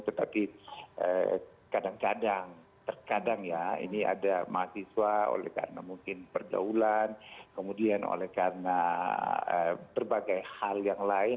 tetapi kadang kadang terkadang ya ini ada mahasiswa oleh karena mungkin perdaulan kemudian oleh karena berbagai hal yang lain